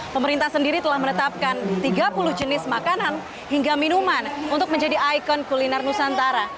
pemerintah sendiri telah menetapkan tiga puluh jenis makanan hingga minuman untuk menjadi ikon kuliner nusantara